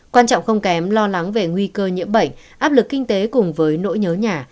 quan trọng không kém lo lắng về nguy cơ nhiễm bệnh áp lực kinh tế cùng với nỗi nhớ nhà